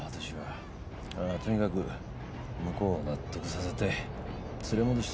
とにかく向こうを納得させて連れ戻したいんです。